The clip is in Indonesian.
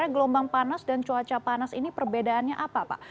karena gelombang panas dan cuaca panas ini perbedaannya apa pak